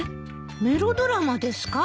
メロドラマですか？